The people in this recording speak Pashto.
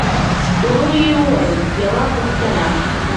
ورو يې وويل: يوه پوښتنه!